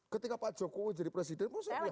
ketika pak jokowi jadi presiden mau saya punya harapan